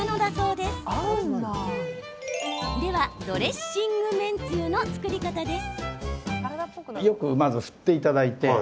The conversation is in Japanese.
では、ドレッシングめんつゆの作り方です。